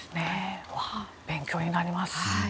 勉強になります。